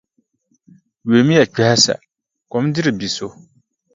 Yulimiya kpɛha sa, kom diri biʼ so.